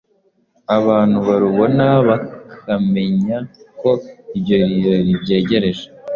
abantu barubona bakamenya ko ibyo birori byegereje.